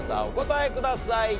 お答えください。